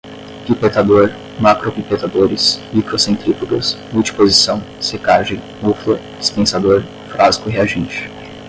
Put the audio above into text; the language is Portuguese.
pipetador, macropipetadores, microcentrífugas, multiposição, secagem, mufla, dispensador, frasco reagente